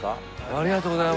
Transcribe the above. ありがとうございます。